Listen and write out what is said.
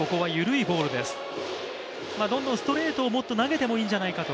どんどんストレートをもっと投げてもいいんじゃないかと。